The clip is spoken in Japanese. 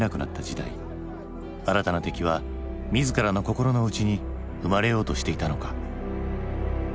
新たな敵は自らの心の内に生まれようとしていたのか？